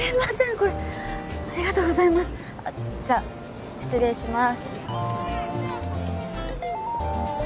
これありがとうございますあっじゃあ失礼します